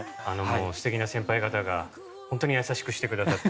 素敵な先輩方が本当に優しくしてくださって。